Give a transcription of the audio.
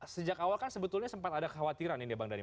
sejak awal kan sebetulnya sempat ada khawatiran ini bang dhani